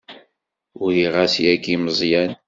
Uriɣ-as yagi i Meẓyan.